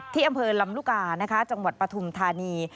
ที่อำเภอลำลูกกานะคะจังหวัดปฐุมธานี